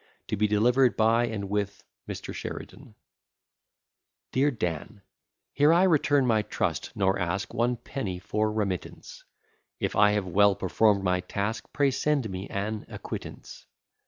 TO BE DELIVERED BY AND WITH MR. SHERIDAN DEAR DAN, Here I return my trust, nor ask One penny for remittance; If I have well perform'd my task, Pray send me an acquittance.